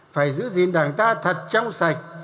phải giữ gìn đảng ta thật trong sạch